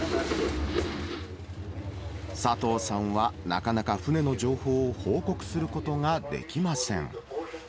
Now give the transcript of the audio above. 佐藤さんはなかなか船の情報を報告することができません。